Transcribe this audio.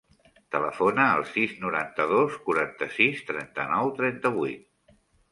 Telefona al sis, noranta-dos, quaranta-sis, trenta-nou, trenta-vuit.